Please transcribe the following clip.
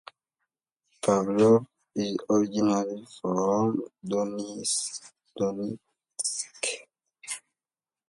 Pavlov is originally from Donetsk.